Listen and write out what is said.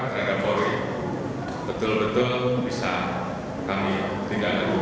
harapan polisi betul betul bisa kami tinggal lakukan